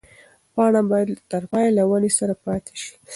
پاڼه باید تر پایه له ونې سره پاتې شي.